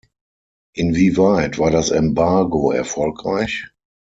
Inwieweit war das Embargo erfolgreich?